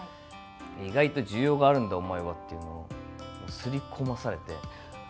意外と需要があるんだ、お前はっていうのをすり込まされて。